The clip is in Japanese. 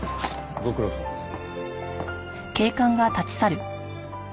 ご苦労さまです。